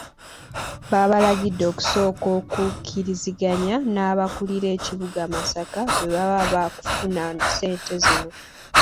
Babalagide okusooka okukkiriziganya n'abakulira ekibuga Masaka bwe baba baakufuna ssente zino.